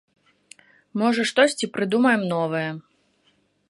Можа штосьці прыдумаем новае.